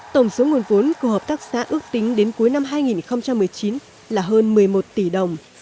tổng số nguồn vốn của hợp tác xã ước tính đến cuối năm hai nghìn một mươi chín là hơn một mươi một tỷ đồng